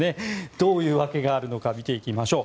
どういう訳があるのか見ていきましょう。